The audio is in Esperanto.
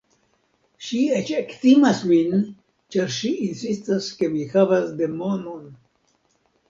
Ŝi eĉ ektimas min, ĉar ŝi insistas ke mi havas demonon.